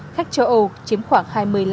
khách châu âu chiếm khoảng hai mươi năm